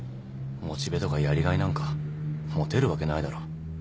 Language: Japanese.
モチベとかやりがいなんか持てるわけないだろ。